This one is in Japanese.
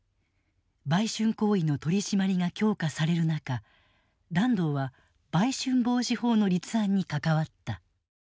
売春行為の取り締まりが強化される中團藤は売春防止法の立案に関わった。